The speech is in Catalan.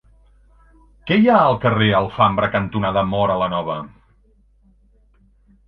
Què hi ha al carrer Alfambra cantonada Móra la Nova?